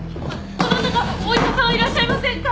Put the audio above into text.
どなたかお医者さんはいらっしゃいませんか？